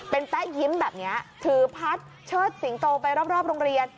เป็นแป๊ะยิ้มแบบนี้ถือพัดเชิดสิงโตไปรอบโรงเรียน